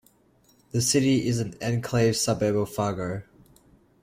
The city is an enclave suburb of Fargo.